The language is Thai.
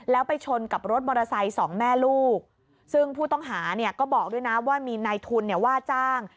แล้วไปชนกับรถมอเตอร์ไซค์สองแม่ลูกซึ่งผู้ต้องหาเนี่ยก็บอกด้วยนะว่ามีนายทุนเนี่ยว่าจ้าง